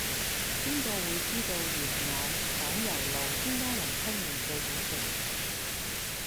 邊個會知道元朗港攸路邊間雲吞麵最好食